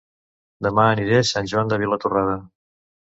Dema aniré a Sant Joan de Vilatorrada